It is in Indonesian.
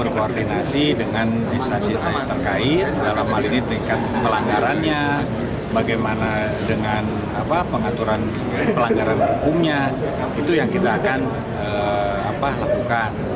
berkoordinasi dengan instansi terkait dalam hal ini tingkat pelanggarannya bagaimana dengan pengaturan pelanggaran hukumnya itu yang kita akan lakukan